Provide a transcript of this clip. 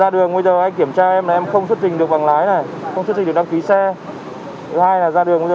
ra đường em bây giờ mà cái lý do của em là mục đích nó không nằm trong những lý mục thích yếu được ra ngoài đường đâu